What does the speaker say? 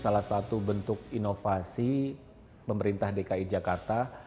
salah satu bentuk inovasi pemerintah dki jakarta